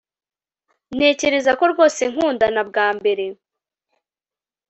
ntekereza ko rwose nkundana bwa mbere